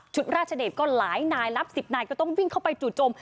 ชุดราชเดชก็หลายนายรับศิษย์นายก็ต้องวิ่งเข้าไปจุดจม